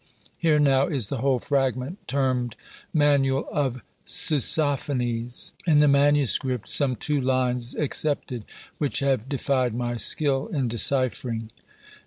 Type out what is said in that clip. Here now is the whole fragment, termed " Manual of Pseusophanes " in the manuscript, some two lines ex cepted, which have defied my skill in deciphering.